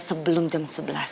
sebelum jam sebelas